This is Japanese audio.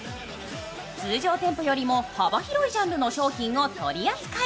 通常店舗よりも幅広いジャンルの商品を取り扱い。